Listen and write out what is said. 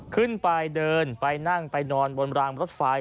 ขึ้นไปเดินไปนั่งไปนอนบนรางรถไฟ